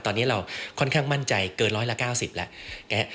ตอนนี้เราค่อนข้างมั่นใจเกินร้อยละ๙๐แล้ว